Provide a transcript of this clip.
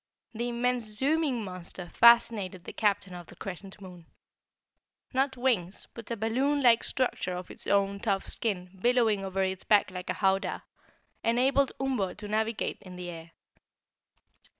The immense zooming monster fascinated the Captain of the Crescent Moon. Not wings, but a balloon like structure of its own tough skin billowing over its back like a howdah, enabled Umbo to navigate in the air.